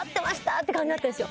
って感じだったんですよ。